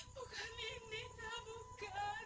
bukan ini nak